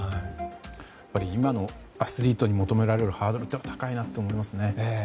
やはり、今のアスリートに求められるハードルは高いなと思いますね。